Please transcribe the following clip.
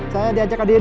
saya diajak ke dido